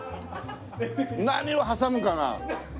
何を挟むかが。